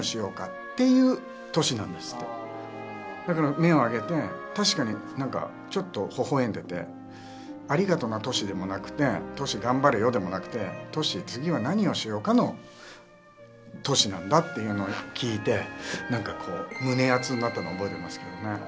だから目を上げて確かに何かちょっとほほ笑んでて「ありがとなトシ」でもなくて「トシ頑張れよ」でもなくて「トシ次は何をしようか」のトシなんだっていうのを聞いて何かこう胸熱になったのは覚えてますけどね。